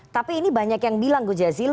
tapi ini banyak yang bilang gujazil